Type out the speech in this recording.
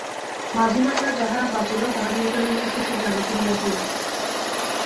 মাঝিমাল্লা যাহারা বাঁচিল তাহাদিগকে লইয়া শশী গ্রামে ফিরিয়া আসিলেন।